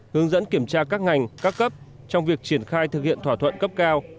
hướng dẫn kiểm tra các ngành các cấp trong việc triển khai thực hiện thỏa thuận cấp cao